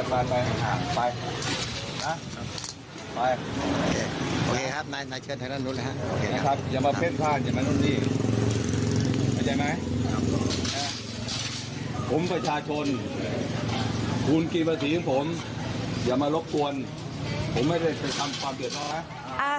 ผมไม่เคยทำในความเดือดร้อนแล้ว